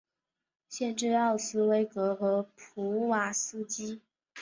县治奥斯威戈和普瓦斯基。